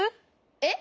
えっ？